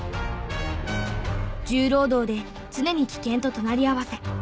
重労働で常に危険と隣り合わせ。